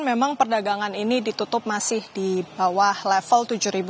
memang perdagangan ini ditutup masih di bawah level tujuh